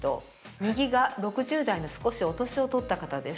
右が６０代の少しお年をとった方です。